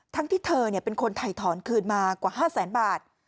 ทั้งที่เธอเป็นคนถ่ายถอนคืนมากว่า๕๐๐๐๐๐บาท